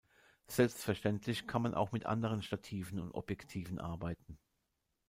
Selbstverständlich kann man auch mit anderen Stativen und Objektiven arbeiten.